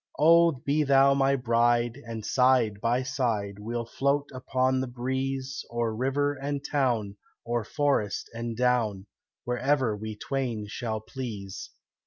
Oh, be thou my bride, and side by side We'll float upon the breeze O'er river and town, o'er forest and down, Wherever we twain shall please.